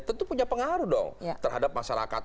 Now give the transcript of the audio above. tentu punya pengaruh dong terhadap masyarakat